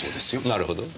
なるほど。